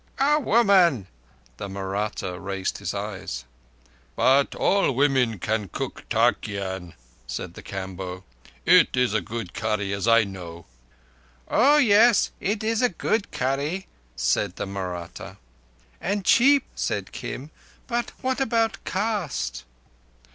"A woman." The Mahratta raised his eyes. "But all women can cook tarkeean," said the Kamboh. "It is a good curry, as I know." "Oh yes, it is a good curry," said the Mahratta. "And cheap," said Kim. "But what about caste?"